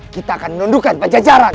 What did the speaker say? kita akan menundukkan pencajaran